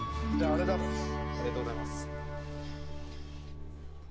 ありがとうございます。